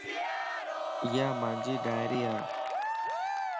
ايا مانجي ڊائري ا